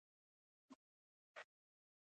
سترگې يې له اوښکو ډکې وې.